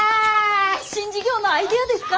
新事業のアイデアですか？